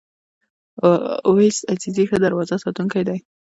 اویس عزیزی ښه دروازه ساتونکی دی.